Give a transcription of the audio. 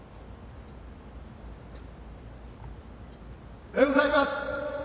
おはようございます。